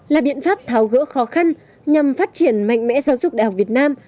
là biện pháp tháo gỡ khó khăn nhằm phát triển mạnh mẽ giáo dục đại học việt nam